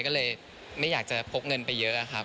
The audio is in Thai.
ก็เลยไม่อยากจะพกเงินไปเยอะครับ